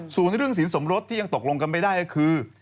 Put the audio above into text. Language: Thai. ส่วนเรื่องสินสมรสที่ยังตกลงกันไม่ได้ก็คือ